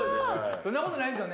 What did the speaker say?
そんな事ないんですよね。